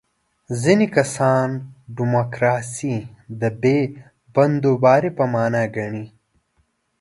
ځینې کسان دیموکراسي د بې بندوبارۍ په معنا ګڼي.